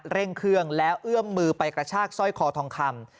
เร่งเครื่องแล้วเอื้อมมือไปกระชากสร้อยคอทองคำ